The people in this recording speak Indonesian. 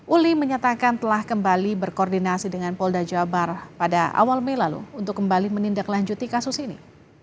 uli menyatakan telah kembali berkoordinasi dengan polda jabar pada awal mei lalu untuk kembali menindaklanjuti kasus ini